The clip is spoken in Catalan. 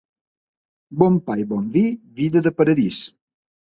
Bon pa i bon vi, vida de paradís.